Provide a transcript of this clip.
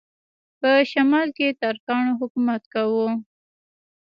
په شمال کې ترکانو حکومت کاوه.